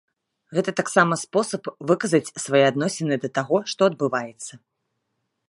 Гэта таксама спосаб выказаць свае адносіны да таго, што адбываецца.